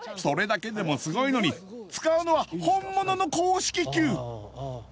それだけでもすごいのに使うのは本物の公式球！